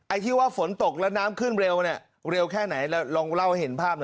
ไอ้ที่ว่าฝนตกและน้ำขึ้นเร็วเร็วแค่ไหนทำได้เล่าให้เห็นภาพหน่อย